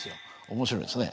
面白いんですね。